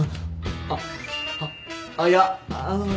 あっあっあっいやあのね